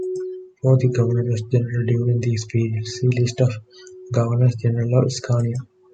For the Governors-General during these periods, see List of Governors-General of Scania.